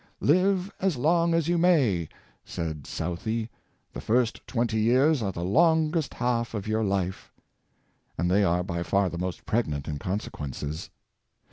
*' Live as long as you may,'' said Southey, "the first twenty years are the longest half of your life," and they are by far the most pregnant in consequences.